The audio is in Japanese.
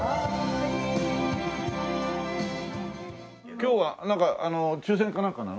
今日はなんか抽選かなんかなの？